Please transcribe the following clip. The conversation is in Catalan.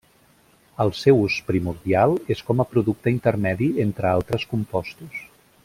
El seu ús primordial és com a producte intermedi entre altres compostos.